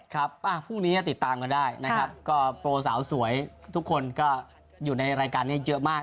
ครับพรุ่งนี้ก็ติดตามกันได้นะครับก็โปรสาวสวยทุกคนก็อยู่ในรายการนี้เยอะมาก